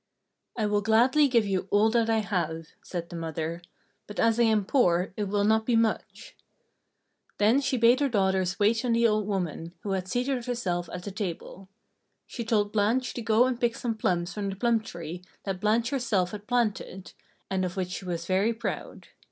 "I will gladly give you all that I have," said the mother, "but as I am poor, it will not be much." Then she bade her daughters wait on the old woman, who had seated herself at the table. She told Blanche to go and pick some plums from the plum tree that Blanche herself had planted, and of which she was very proud.